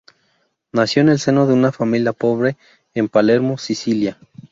Nació en el seno de una familia pobre en Palermo, Sicilia.